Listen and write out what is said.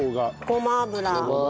ごま油。